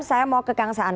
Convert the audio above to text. saya mau ke kang saan